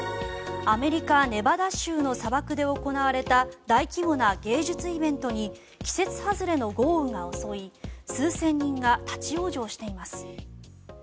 アメリカ・ネバダ州の砂漠で行われた大規模な芸術イベントに季節外れの豪雨が襲い数千人が立ち往生しています。